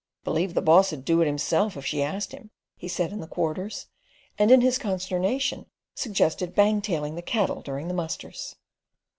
"Believe the boss'ud do it himself if she asked him," he said in the Quarters; and in his consternation suggested bangtailing the cattle during the musters.